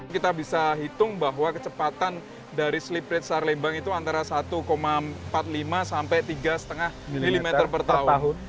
kita bisa hitung bahwa kecepatan dari slip rate sarlembang itu antara satu empat puluh lima sampai tiga lima mm per tahun